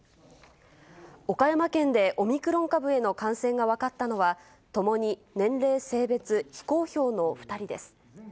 岡山県でオミクロン株への感染が分かったのは、ともに年齢、性別非公表の２人です。